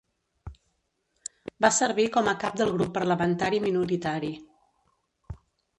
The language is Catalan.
Va servir com a cap del grup parlamentari minoritari.